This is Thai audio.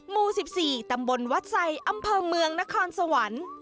หมู่๑๔ตำบลวัดไซอำเภอเมืองนครสวรรค์